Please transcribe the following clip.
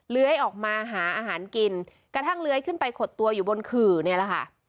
เลื้อยออกมาหาอาหารกินกระทั่งเลื้อยขึ้นไปขดตัวอยู่บนขื่อเนี่ยแหละค่ะ